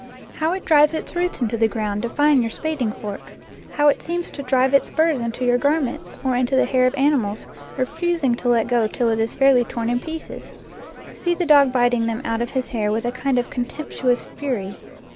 How it drives its roots into the ground, defying your spading f ork ! How it seems to drive its burrs into your garments, or into the hair of animals, refusing to let go till it is fairly torn in pieces ! See the dog biting them out of his hair with a kind of contemptuous fury.